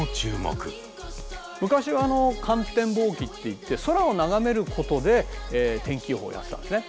昔は観天望気っていって空を眺めることで天気予報やってたんですね。